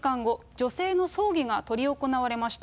女性の葬儀が執り行われました。